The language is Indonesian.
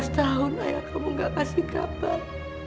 lima belas tahun ayah kamu gak kasih kapal